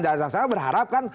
dan saya berharap kan